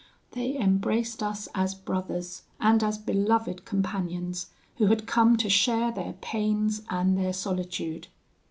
They embraced us as brothers, and as beloved companions, who had come to share their pains and their solitude.